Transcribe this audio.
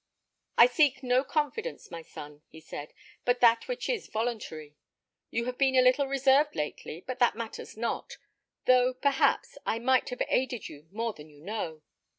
"I seek no confidence, my son," he said, "but that which is voluntary. You have been a little reserved lately, but that matters not; though, perhaps, I might have aided you more than you know.